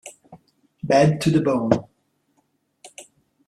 Bad to the Bone